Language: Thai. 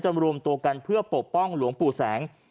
รวมตัวกันเพื่อปกป้องหลวงปู่แสง